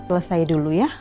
selesai dulu ya